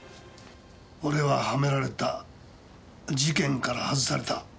「俺はハメられた」「事件から外された」